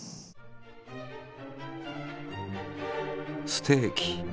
ステーキ！